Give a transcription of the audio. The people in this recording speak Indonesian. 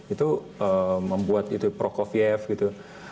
itu membuat prokofiev gitu